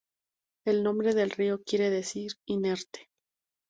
El nombre del río quiere decir "inerte".